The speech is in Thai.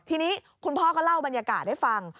ทีนี้คุณพ่อก็เล่าบรรยากาศให้ฟัง